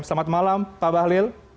selamat malam pak bahlil